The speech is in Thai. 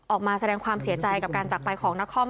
ออกมาแสดงความเสียใจกับการจักรไปของนคร